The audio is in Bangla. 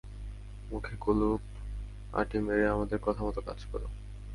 মুখে কলপ আঁটি মেরে আমাদের কথা মতো কাজ কর।